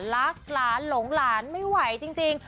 รักหลานหลงหลานไม่ไหวจริง